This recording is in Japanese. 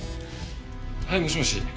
はいもしもし。